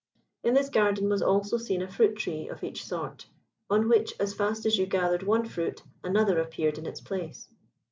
In this garden was also seen a fruit tree of each sort, on which as fast as you gathered one fruit another appeared in its place.